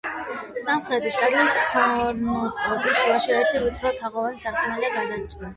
სამხრეთით კედლის ფრონტონის შუაში ერთი ვიწრო, თაღოვანი სარკმელია გაჭრილი.